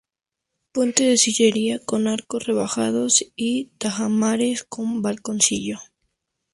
Puente de sillería con arcos rebajados y tajamares con balconcillo.